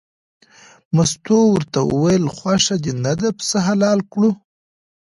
مستو ورته وویل خوښه دې نه ده پسه حلال کړو.